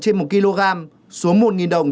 trên một kg xuống một đồng